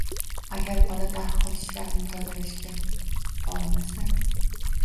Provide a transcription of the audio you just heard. Agar bola darhol tishlarini tozalashga bormasa